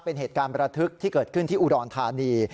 เป็นเหตุการณ์ประทึกที่เกิดขึ้นที่อุดรธานี